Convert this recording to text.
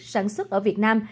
sản xuất ở việt nam